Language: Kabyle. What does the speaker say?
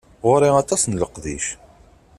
Ɣuṛ-i aṭas n leqdic.